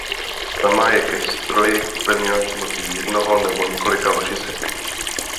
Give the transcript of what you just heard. Sama je ke stroji upevněna pomocí jednoho nebo několika ložisek.